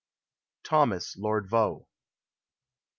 THOMAS, LORD VAUX.